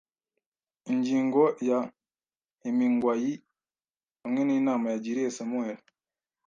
Ingingo ya Hemingwayi hamwe n'inama yagiriye Samuel